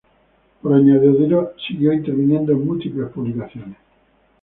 Por añadidura, siguió interviniendo en múltiples publicaciones.